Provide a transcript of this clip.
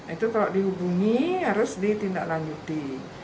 itu kalau dihubungi harus ditindaklanjuti